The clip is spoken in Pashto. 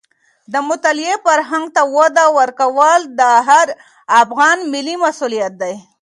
د مطالعې فرهنګ ته وده ورکول د هر افغان ملي مسوولیت دی.